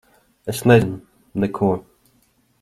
Es nezinu. Neko.